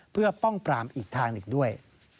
เพื่อป้องปรามอีกทางหนึ่งด้วย